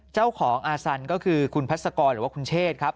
เจ้าของอาซันก็คือคุณพัศกรหรือว่าคุณเชษครับ